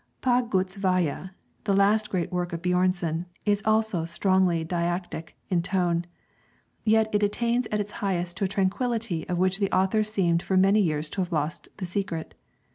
'Paa Gud's Veje,' the last great work of Björnson, is also strongly didactic in tone, yet it attains at its highest to a tranquillity of which the author seemed for many years to have lost the secret.